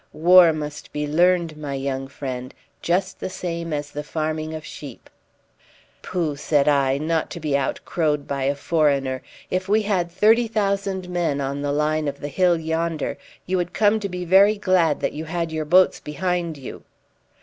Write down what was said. War must be learned, my young friend, just the same as the farming of sheep." "Pooh!" said I, not to be out crowed by a foreigner. "If we had thirty thousand men on the line of the hill yonder, you would come to be very glad that you had your boats behind you."